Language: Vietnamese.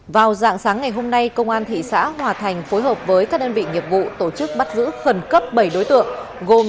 vào dạng sáng ngày hôm nay công an thị xã hòa thành phối hợp với các đơn vị nghiệp vụ tổ chức bắt giữ khẩn cấp bảy đối tượng gồm